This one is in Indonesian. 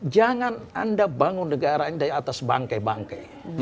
jangan anda bangun negara ini dari atas bangke bangkai